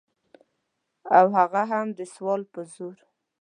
او هغه هم د سوال په زور.